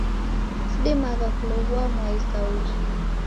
Sidimagha kulow'ua mwai sa ujha.